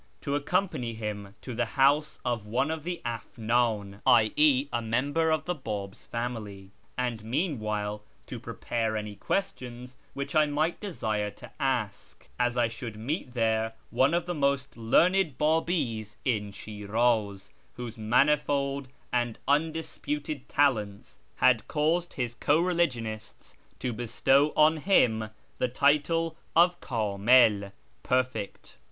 to accompany him to the house of one of the Afndn (i.e. a member of the Bab's family), and meanwhile to prepare any questions which I might desire to ask, as I should meet there one of the most learned Babis in Shiraz, whose manifold and undisputed talents had caused his co religionists to bestow on him the title of Kdmil^ ("Perfect